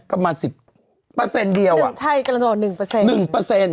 ก็มาสิบเปอร์เซ็นต์เดียวอ่ะใช่กำลังจะบอกหนึ่งเปอร์เซ็นต์